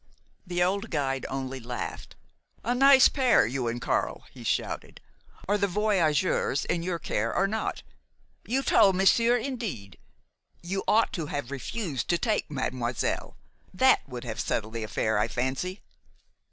The old guide only laughed. "A nice pair, you and Karl," he shouted. "Are the voyageurs in your care or not? You told monsieur, indeed! You ought to have refused to take mademoiselle. That would have settled the affair, I fancy."